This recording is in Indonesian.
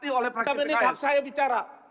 tiga menit hak saya bicara